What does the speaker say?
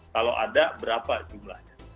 kalau ada berapa jumlahnya